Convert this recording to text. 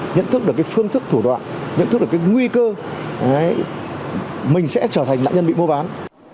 nhận thức được phương thức thủ đoạn nhận thức được cái nguy cơ mình sẽ trở thành nạn nhân bị mua bán